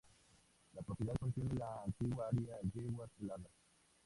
La propiedad contiene la antigua área Yeguas Heladas.